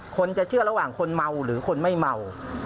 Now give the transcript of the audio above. คนจะเชื่อระหว่างคนเมาหรือคนไม่เมา